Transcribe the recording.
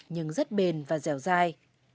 nhưng rất bền và dẻo dai